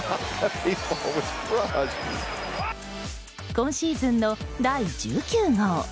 今シーズンの第１９号。